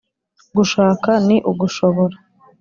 Gushaka ni ugushobora.